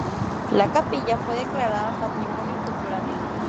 La capilla fue declarada Patrimonio Cultural.